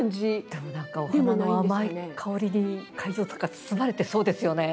でも何かお花の甘い香りに会場とか包まれてそうですよね。